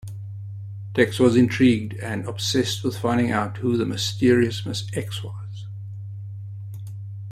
Tex was intrigued and obsessed with finding out who the mysterious Miss X was.